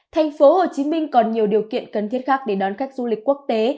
tp hcm còn nhiều điều kiện cần thiết khác để đón khách du lịch quốc tế